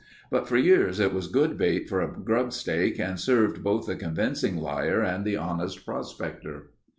But for years it was good bait for a grubstake and served both the convincing liar and the honest prospector.